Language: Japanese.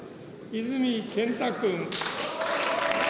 泉健太君。